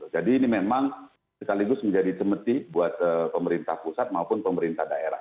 jadi ini memang sekaligus menjadi cemetik buat pemerintah pusat maupun pemerintah daerah